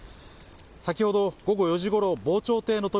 先ほど午後４時ごろ、防潮堤の扉